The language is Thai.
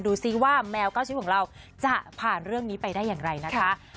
ซิว่าแมวเก้าชีวิตของเราจะผ่านเรื่องนี้ไปได้อย่างไรนะคะ